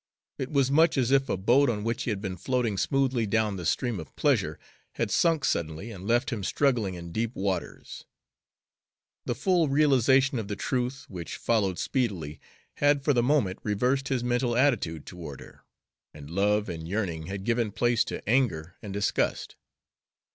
It was much as if a boat on which he had been floating smoothly down the stream of pleasure had sunk suddenly and left him struggling in deep waters. The full realization of the truth, which followed speedily, had for the moment reversed his mental attitude toward her, and love and yearning had given place to anger and disgust.